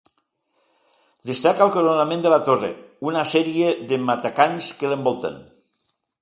Destaca el coronament de la torre, una sèrie de matacans que l'envolten.